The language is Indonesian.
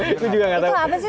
itu apa sih tulisannya